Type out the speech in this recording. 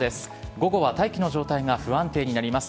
午後は大気の状態が不安定になります。